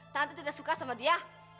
tante tidak suka sama dia